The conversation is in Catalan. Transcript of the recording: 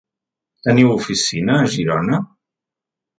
Teniu oficina a Girona?